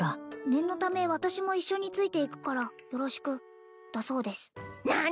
「念のため私も一緒についていくからよろしく」だそうです何！？